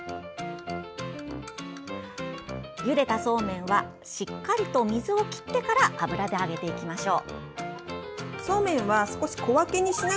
ゆでたそうめんはしっかりと水を切ってから油で揚げていきましょう。